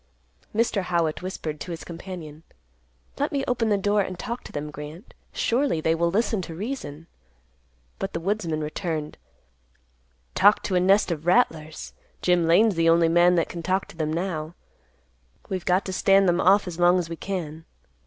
Mr. Howitt whispered to his companion, "Let me open the door and talk to them, Grant. Surely they will listen to reason." But the woodsman returned, "Talk to a nest of rattlers! Jim Lane's the only man that can talk to them now. We've got to stand them off as long as we can."